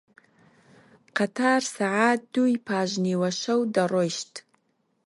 قەتار سەعات دووی پاش نیوەشەو دەڕۆیشت